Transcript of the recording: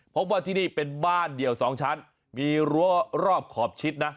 พบว่าที่นี่เป็นบ้านเดี่ยว๒ชั้นมีรั้วรอบขอบชิดนะ